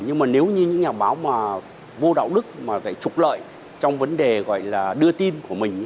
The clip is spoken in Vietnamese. nhưng mà nếu như những nhà báo mà vô đạo đức mà phải trục lợi trong vấn đề gọi là đưa tin của mình